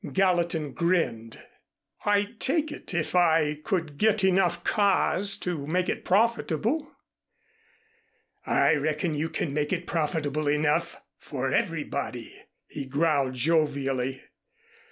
Gallatin grinned. "I'd take it, if I could get enough cars to make it profitable." "I reckon you can make it profitable enough, for everybody," he growled jovially.